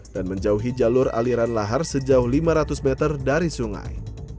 dan menjauhi jalur aliran lahar sejauh lima ratus meter dari sungai